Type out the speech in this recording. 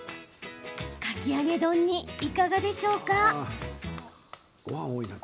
かき揚げ丼にいかがでしょうか？